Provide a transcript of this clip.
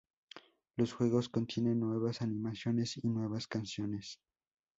Los juegos contienen nuevas animaciones y nuevas canciones.